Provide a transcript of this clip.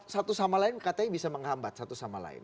satu sama lain katanya bisa menghambat satu sama lain